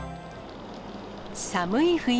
寒い冬。